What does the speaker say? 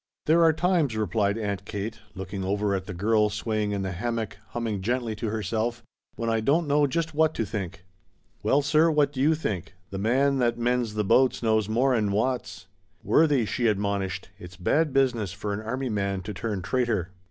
"There are times," replied Aunt Kate, looking over at the girl swaying in the hammock, humming gently to herself, "when I don't know just what to think." "Well sir, what do you think? The man that mends the boats knows more 'an Watts!" "Worthie," she admonished, "it's bad business for an army man to turn traitor."